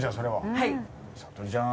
はい。